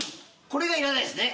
これがいらないですね。